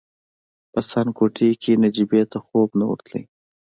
په څنګ کوټې کې نجيبې ته خوب نه ورته.